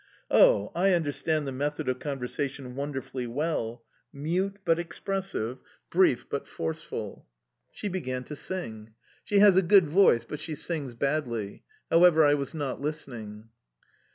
Oh! I understand the method of conversation wonderfully well: mute but expressive, brief but forceful!... She began to sing. She has a good voice, but she sings badly... However, I was not listening.